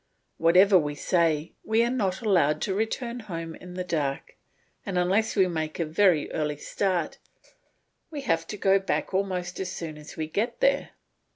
Whatever we say, we are not allowed to return home in the dark, and unless we make a very early start, we have to go back almost as soon as we get there.